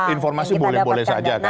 informasi boleh boleh saja kan